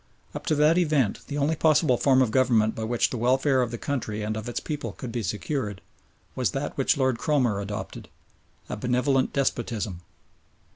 Up to that event the only possible form of Government by which the welfare of the country and of its people could be secured, was that which Lord Cromer adopted a "benevolent despotism."